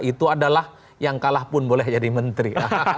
itu adalah yang kalah pun boleh jadi menteri